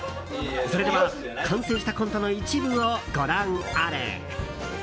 それでは完成したコントの一部をご覧あれ。